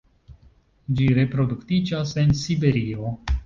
Ĝi reproduktiĝas en Siberio.